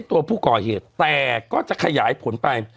แต่ก็จะขยายผลไป